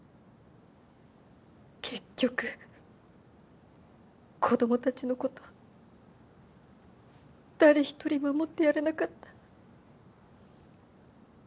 結局子供たちのこと誰一人守ってやれなかった。